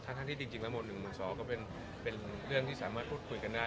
ทั้งที่จริงแล้วโหมดหนึ่งโหมดสองก็เป็นเรื่องที่สามารถพูดคุยกันได้